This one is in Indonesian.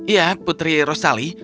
ya putri rosali